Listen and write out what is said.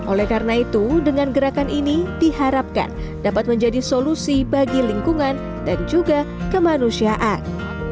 oleh karena itu dengan gerakan ini diharapkan dapat menjadi solusi bagi lingkungan dan juga kemanusiaan